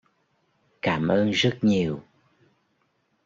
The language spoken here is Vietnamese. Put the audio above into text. cảm ơn rất nhiều